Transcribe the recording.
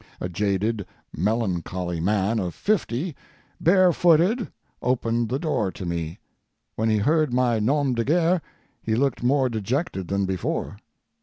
A jaded, melancholy man of fifty, barefooted, opened the door to me. When he heard my 'nom de guerre' he looked more dejected than before.